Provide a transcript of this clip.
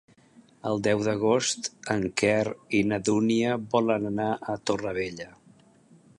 El deu d'agost en Quer i na Dúnia volen anar a Torrevella.